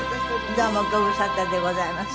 どうもご無沙汰でございます。